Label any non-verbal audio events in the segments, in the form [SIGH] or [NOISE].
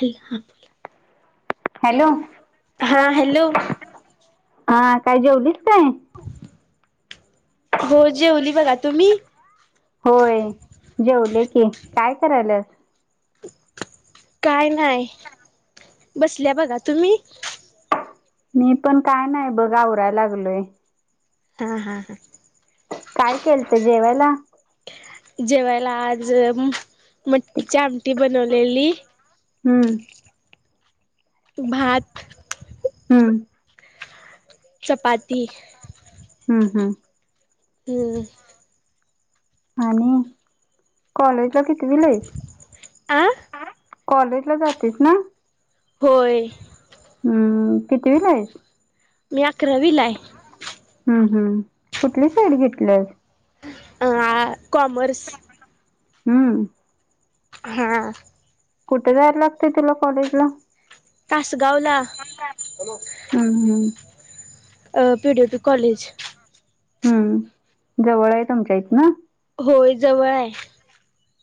Hello हा बोला hello hello हा काय जेवलीस काय हो जेवली बघा तुम्ही होय जेवले की काय करायल्यास काय नाही बसल्या बघा तुम्ही मी पण काय नाय बघ आवराय लागलोय हा-हा-हा काय केलत जेवायला. जेवायला आज मटकीची आमटी बनवलेली. हम्म भात हम्म चपााती हम्म हम् हम्म आणि कॉलेजला कितीविला आहेस. आ कॉलेजला जातेस ना होय हम्म कितवीला आहेस. मी अकरावीला आहे. हम्म हम्म कुठली साईड घितल्यास अ-आ कॉमर्स हम्म हा आ कुठे जायला लागते तुला कॉलेज ला तासगावला हम्म हम्म अ पी डी पी कॉलेज हम्म जवळ आहे तुमच्या इथन होय जवळ आहे.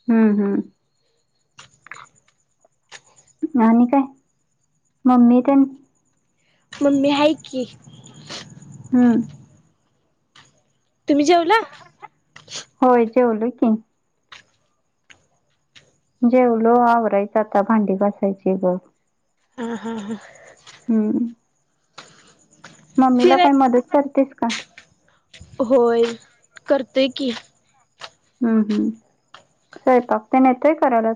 हम्म हम्म आणि काय मम्मी त्यां मम्मी हाय की. हम. तुम्ही जेवला? होय जेवलो की. जेवलो आवरायचं आता भांडी घासायची ग. ह हा हा. हम्. मम्मीला फिराय पण मदत करतेस का? होय करतेय की. हम्म हम्म स्वयंपाक तेन येतय करायला?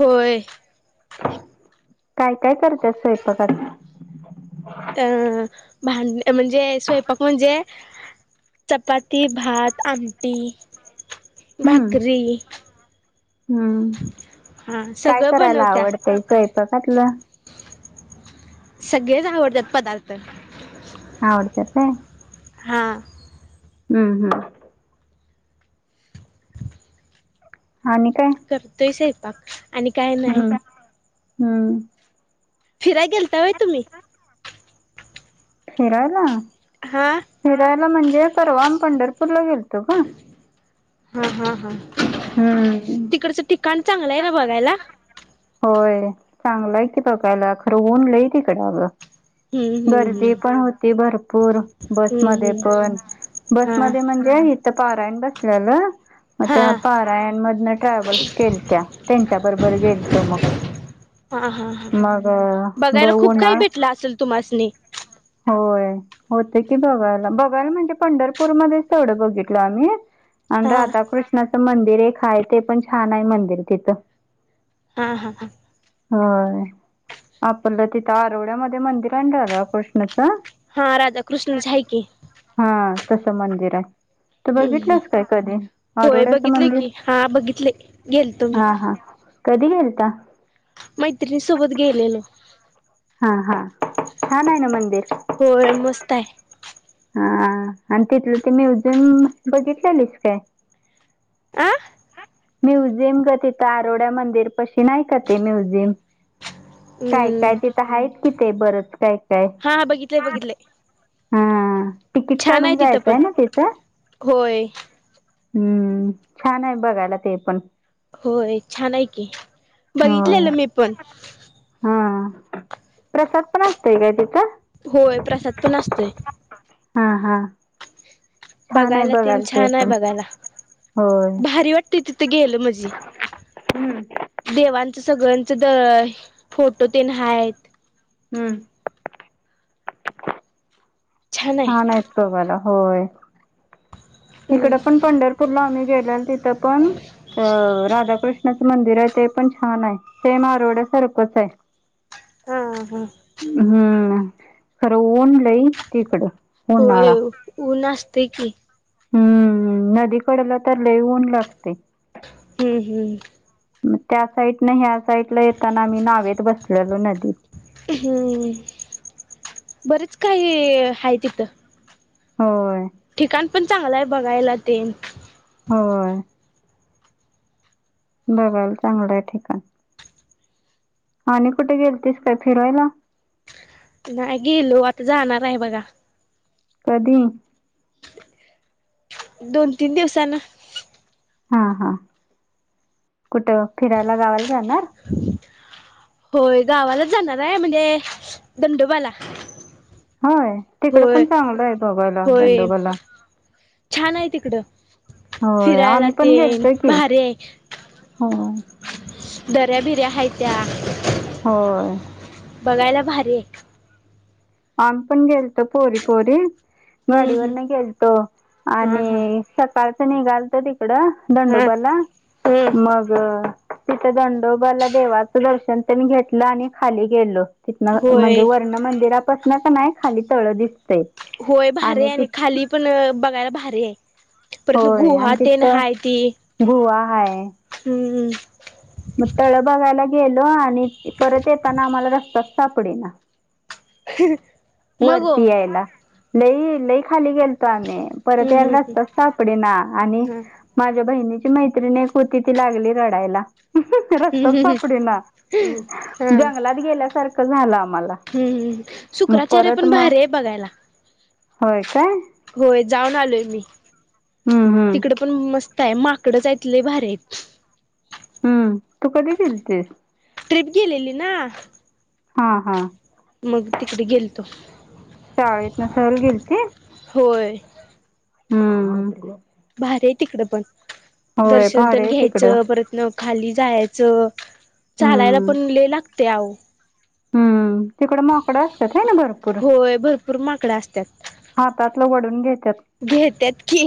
होय. काय काय करत्यास स्वयंपाकात? अं भां म्हणजे स्वयंपाक म्हणजे चपााती, भात, आमटी, हम्म भाकरी. हम्म हा काय सगळं करायला बनवत्या. आवडतय स्वयंपाकातलं? सगळेच आवडतात पदार्थ. आवडते काय. हां. हम्म हम्म. आणि काय? करतोय स्वयंपाक आणि काय नाही. हम. फिरायला गेलता होय तुम्ही? फिरायला, हा फिरायला म्हणजे परवाम पंढरपूर ला गेल तो गं. हा हा हा. हम्म हम्म. चांगलंय ना बघायला? होय चांगलं आहे क बघायला खरं ऊनलं तिकडेगं. हम्म हम्म गर्दी हम्म. पण होती भरपूर हम्म बसमध्ये हम्म पण. हा बसमध्ये म्हणजे इथं पारायण बसलेलं. मग त्या हा पारायण मधन ट्रॅव्हल्स केल त्या त्यांच्या बरोबर गेलतो मग. हा हा हा मग बघायला अ, खूप काही उन्हाळ भेटलं असेल तुमासनी? होय होत की बघायला बघायला म्हणजे पंढरपूरमध्येच तेथवडं बघितल आम्ही. आणि हा राधाकृष्णाचं मंदिर एक आहे ते पण छान आहे मंदिर तिथ. हा हा हा. हो आपलं तिथं आरवड्यामध्ये मंदिर हाय कणी राधा कृष्णाच. हा राधा कृष्णच हाय आहे की. हा तसं मंदिर आहे. त हम्म हम्म बघितलंस काय कधी होय आरोड्याचं बघितले मंदिर? की हा बघितले गेलतो मी हा हा. कधी गेलता? मैत्रिणी सोबत गेलेलो. हा हा छान आहे ना मंदिर? हो मस्तहाय. आणि ते तुला ते म्युझियम बघितलेस काय? आ म्युझियम ग तिथं आरोड्या मंदिर पशी नाही का ते म्युझियम. काय काय हम्म तेथ आहेत कि ते बरंच काय? काय हा बघितले बघितले. हा तिकीट छान आहे काढून तिथं पण जायचंय ना तिथं. होय हम्म छान आहे बघायला ते पण. होय छान आहे की होय. बघितलेलं मी पण. हा प्रसाद पण असतय काय तिचा होय प्रसाद पण असतोय हम हम बघायला तन ते छान आहे पण बघायला होय भारी वाटते तिथे गेलं म्हजी हम्म देव सगळ्यांच द फोटो ते नय आहेत हम्म छान इतो बला होय इकड हम्म पण पंढरपूरला आम्ही गेले तथ पण राधाकृष्ण च मंदिर आहे ते पण छान आहे सेम आरोवड्यासारखंच आहे हम ह हम्म खरवून लई तिकडं होय उन्हाळा ऊन असते की हं नदीकडेला तर लय ऊन लागतय. हं [INAUDIBLE] मग त्या साईडने ह्या साईड येताना आम्ही, नावेत बसलेलो नदीत हं... बरेच काही आहे तिथं. होय. ठिकाण पण चांगलं आहे बघायला ते... होय... बघायला चांगलं आहे ठिकाण. आणि आणि कुठे गेलतीस काय फिरवायला? नाही गेलो आता जाणार आहे. बघा कधी? दोन, तीन दिवसांन हा.. हा.. कुठं..? फिरायला गावाला जाणार? [INAUDIBLE] [UNINTELLIGIBLE] होय गावालाच जाणार आहे. म्हणजे दंडोबाला. होय तिकड होय पण चांगलं आहे. बघायला होय दंडोबाला छान आहे तिकडं होय फिरायला आम्ही ते पण गेलतो की भारी आहे. हो. दर्‍या बिऱ्या आहेत. होय. बघायला भारी आहे. आम्हीपण गेलतो. पोरी पोरी हम्म हम्म गाडीवरन गेलतो.... हा हा आणि सकाळच निघालो.. एकडं हा दंडोबाला..... हम्म मग तिथं दंडोबाला देवाचं दर्शन त्यांनी घेतलं आणि खाली गेलो. तिथन म्हणजे होय वर्ण मंदिरापासन ना खाली तळ दिस... होय भारी आहे. आणि खाली पण बघायला भारी आहे. परत होय गुहा आणि तेन तिथं आहेत. गुहा हाय हं.... मग तळ बघायला गेलो आणि... परत येताना आम्हाला रस्ता सापडेना. ह् [UNINTELLIGIBLE] [INAUDIBLE] वरती यायला लय लय खाली गेलतो आम्ही परत हम्म यायला हम्म रस्ताच सापडेना आणि.... हा माझ्या बहिणी मैत्रिणी होती ती लागली रडायला. रस्ताच हम्म हम्म सापडेना जंगलात गेल्यासारखं झाला आम्हा.... हं शुक्राचार्य पण मग भर आहे बघायला. होय.. काय? होय जाऊन आलोय मी...... हम्म हम्म तिकड पण मस्त. य माकडंच आहेत भारीच. हं तू कधी गेलीस? ट्रिप गेलेली ना... हा हा.. मग तिकडे गेलतो. शाळेत न सहल गेलती? होय.... हं भारी आहे तिकडे पण होय दर्शन भारी तेन आहे तिकडं घ्यायचं... परत न खाली जायचं... चालायला पण लय लागतय आहो हं तिकड माकडं असतात ह ना भरपूर....... होय भरपूर माकडं हातात वडून घेत घेतत की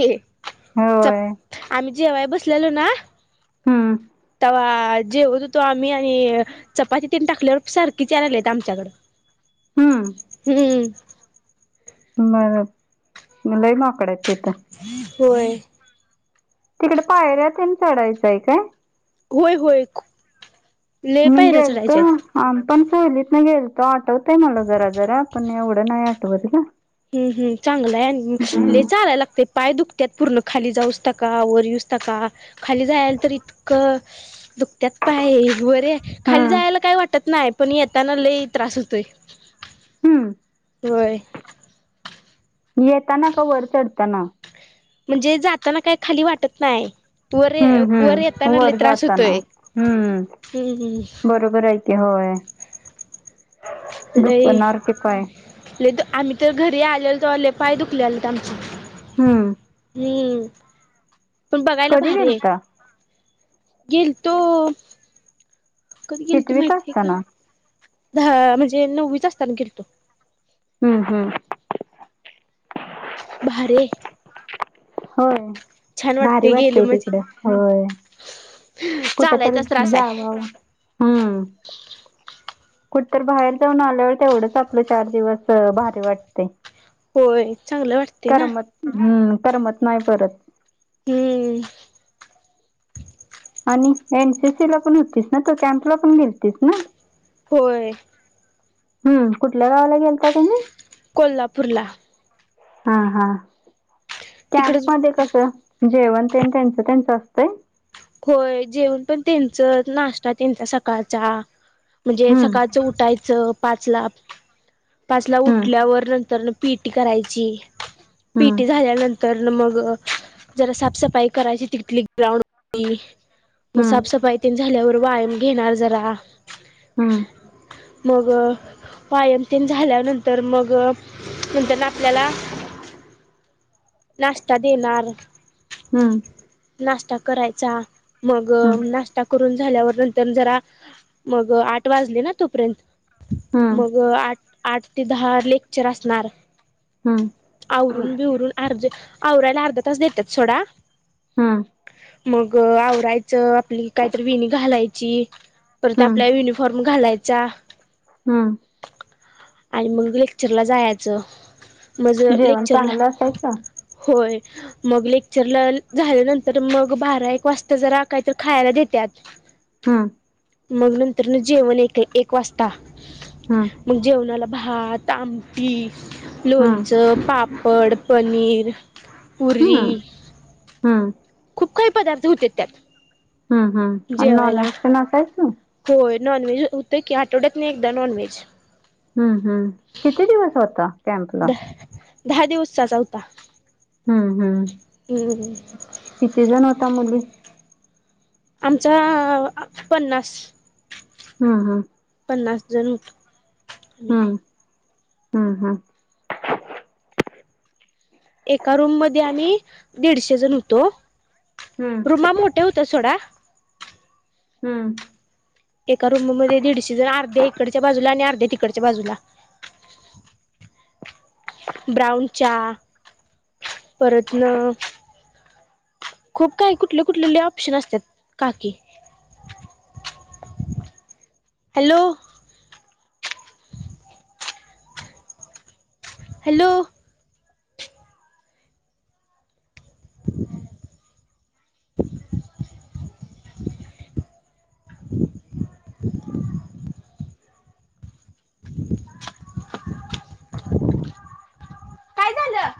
होय चप आम्ही जेव्हाय बसलेलो ना हम्म तवा जेवत होतो आम्ही आणि चपाती तन टाकल्यावर सारखी च आलेल आहेत आमच्याकडं हम्म लाई ना होय तिकडे पायऱ्या त चढायचंय काय होय होयू निंग हल्त आम पण सोलीत मल्त तो आठवतय मला जरा जरा पण एवढं नाही आठवत का हम् हम् चांगलाय चालायला लागते पाय दुखत पूर्ण खाली जाऊच टका वर येऊस टका खाली जायला तर इतकं दुकत्यात पाय वर खाली हम्म जायला काही वाटत नाही पण येताना लई त्रास होतोय हम्म हो येताना का वर चढताना म्हणजे जाताना काय खाली वाटत नाही वर हम्म वर हम्म येताना लय वर त्रास जाताना होतोय. हम् हम्म हम्म बरोबर आहे क होय दुःखणारार टि पाय ल त आम्ही तर घरी आलेो तरले पाय दुखले आले तर आमचे हम्म हम्म पण बघायला कधी भारी आहे गेलता? जल तो कधी गेल तू कितवीत माहिती आहे का असताना? दहा म्हणजे नववीच असताना गेल तो हम्म हम्म बरे होय भारी गेलं वाटतेय म्हणजे तिकडं होय कुठ तर चालायचा त्रास जाव आहे हम्म कुठ तर बाहेर जाऊन आल्यावर तेवढंच आपलं चार दिवस भारी वाटते होय चांगलं वाटते ना करमत हम्म करमत नाही परत हम्म आणि एनसीसी ला पण होतीस ना तू कॅम्पला पण गेतीस ना होय हम्म कुठल्या गावाला गेलता तुम्ही को्हापुरला हा हा तिकडच कॅम्प म कस? जेवण ते त्यांचं त्यांचं असतंय. होय जेवण पण त्यांच नाश्ता त्यांचा सकाळचा म्हणजे हम्म. सकाळचं उठायचं पाचला पाचला हम्म. उठल्यावर नंतर पीटी करायची हम्म. पीटी झाल्यानंतर तर मग जरा साफसफाई करायची तिथली ग्राउंड मग साफसफाई झाल्यावर वायाम घेणार जरा हम. मग पायमतीन झाल्यानंतर मग नंतर आपल्याला [INAUDIBLE] नाश्ता देणार. हम्म. नाश्ता करायचा मग हम्म. नाश्ता कर. रून झाल्यावर नंतर जरा मग आठ वाजले ना तोपर्यंत हम्म. मग आठ आठ ते दहा लेक्चर असणार. हम्म. आवरून बिवरून अर्ध आवरायला अर्धा तास भेटत्यात सोडा. हा. मग आवरायचं आपली कायतरी विणी घालायची. परत हम्म. आपला युनिफॉर्म घालायचा. हम्म. आणि मग लेक्चरला जायचं मग जेवण लेक्चरला चांगलं असायचं? होय मग लेक्चरला झाल्यानंतर मग बारा एक वाजता जरा काय तर खायाय दे. त्यात हम्. मग नंतर जेवण एक एक वाजता हम्म. मग जेवणाला भात, आमटी, हम्म. लोणचं, पापड, पनीर हम्म पुरी. हम्म खूप काही पदार्थ होते त्यात हम्म हम् आणि नॉन व्हेज तर असायच. हो नॉनव्हेज होत की आठवड्यातन एकदा नॉनव्हेज हम्म हम्म किती दिवस होता कॅम्पला द दहा दिवसाचा होता. हम्म हम्म. ह ह. किती जण होता मुली आमच्या अ पन्नास. हम् हम् पन्नास जन होतो ह. हा हा. एका रूम मध्ये आम्ही दीडशे जण होतो. हम्म रुमा मोठ्या हुत्या सोडा. हम. एका रूम मध्ये दीडशे जण अर्ध्या इकडच्या बाजूला आणि अर्ध्या तिकडच्या बाजूला हम. ब्राऊन च्या परत न खूप काही कुठले कुठले लई ऑप्शन असत्यात काकी हॅलो. हॅलो. हॅलो आवाज येत नाही. [INAUDIBLE] काय झालं?